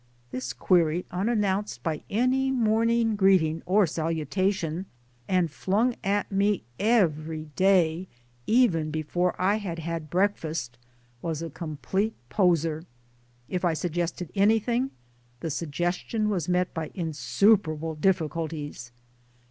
" This query, unannounced by any, morning greeting or salutation, and flung at me every day even before I had had breakfast, was a complete poser. If I suggested anything, the suggestion was met by in superable difficulties.